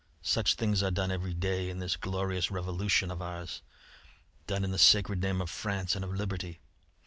Such things are done every day in this glorious Revolution of ours done in the sacred name of France and of Liberty.